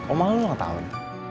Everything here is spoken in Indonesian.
oma lu ulang tahun